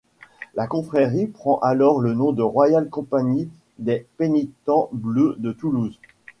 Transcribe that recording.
La confrérie prend alors le nom de Royale Compagnie des Pénitents Bleus de Toulouse.